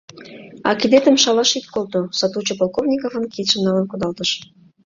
А кидетым шалаш ит колто! — сатучо Полковниковын кидшым налын кудалтыш.